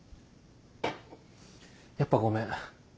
やっぱごめん。